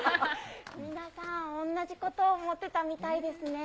皆さん、おんなじことを思ってたみたいですね。